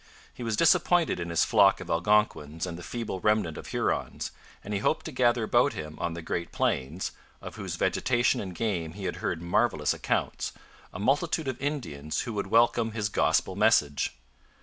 He was disappointed in his flock of Algonquins and the feeble remnant of Hurons, and he hoped to gather about him on the Great Plains of whose vegetation and game he had heard marvellous accounts a multitude of Indians who would welcome his Gospel message.